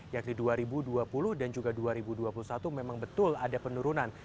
yakni dua ribu dua puluh dan juga dua ribu dua puluh satu memang betul ada penurunan